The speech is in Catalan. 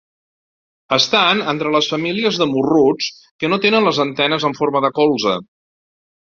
Estan entre les famílies de morruts que no tenen les antenes en forma de colze.